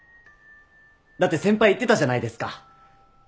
だって先輩言ってたじゃないですか。